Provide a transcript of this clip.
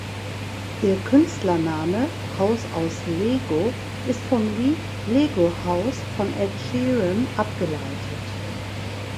Ihr Künstlername („Haus aus Lego“) ist vom Lied "Lego House" von Ed Sheeran abgeleitet.